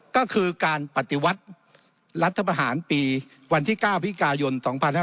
ก็คือการปฏิวัติรัฐประหารปีวันที่๙พิกายน๒๕๕๙